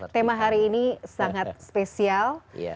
tema hari ini sangat spesial